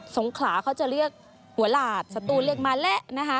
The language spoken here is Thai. งขลาเขาจะเรียกหัวหลาดสตูนเรียกมาแล้วนะคะ